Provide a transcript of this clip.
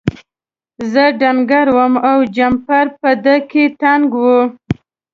زه ډنګر وم او جمپر په ده کې تنګ و.